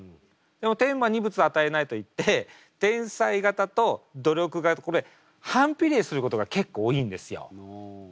でも天は二物を与えないといって天才型と努力型これ反比例することが結構多いんですよ。